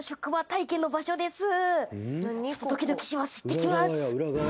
いってきます。